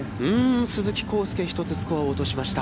鈴木晃祐、１つスコアを落としました。